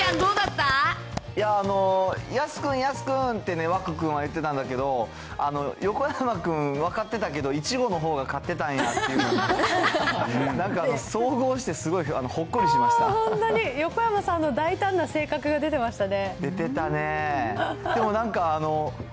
いやー、ヤスくん、ヤスくんってね、湧くんは言ってたんだけど、横山君分かってたけど、いちごのほうが勝ってたんやっていうので、なんか総合してすごい本当に、横山さんの大胆な性格が出てましたね。